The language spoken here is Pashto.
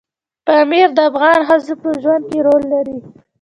پامیر د افغان ښځو په ژوند کې رول لري.